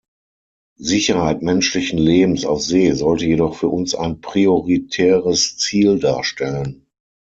Sicherheit menschlichen Lebens auf See sollte jedoch für uns ein prioritäres Ziel darstellen.